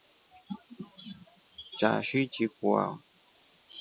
Chashi chikwa.